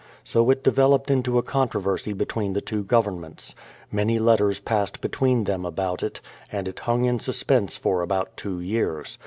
So it de veloped into a controversy between the two governments. Many letters passed between them about it, and it hung in suspense for about two years.